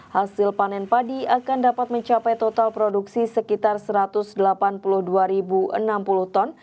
hasil panen padi akan dapat mencapai total produksi sekitar satu ratus delapan puluh dua enam puluh ton